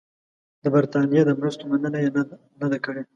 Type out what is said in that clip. د برټانیې د مرستو مننه یې نه ده کړې.